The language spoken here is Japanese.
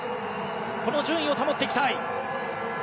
この順位を保っていきたい。